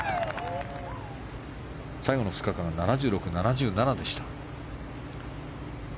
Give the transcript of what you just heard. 最後の２日間は７６、７７でした。